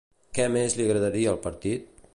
Què més li agradaria al partit?